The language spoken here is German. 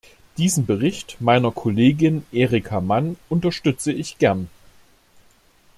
Diesen Bericht meiner Kollegin Erika Mann unterstütze ich gern.